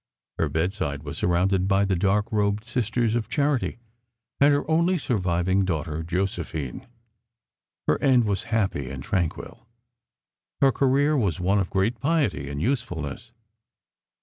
Her bedside was surrounded by the dark robed Sisters of Charity and her only surviving daughter, Josephine. Her end was happy and tranquil. Her career was one of great piety and usefulness.